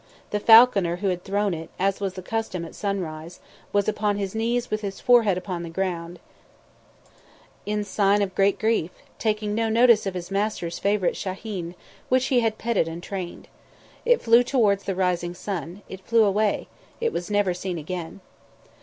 The falconer who had thrown it, as was the custom, at sunrise, was upon his knees with his forehead upon the ground, in sign of a great grief, taking no notice of his master's favourite shahin which he had petted and trained. It flew towards the rising sun; it flew away; it was never seen again.